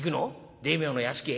大名の屋敷へ？